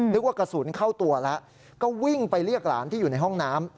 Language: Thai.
นึกว่ากระสุนเข้าตัวแล้วก็วิ่งไปเรียกหลานที่อยู่ในห้องน้ำ